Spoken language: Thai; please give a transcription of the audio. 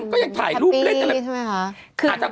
ก็ยังถ่ายรูปเล่นเมื่อไหร่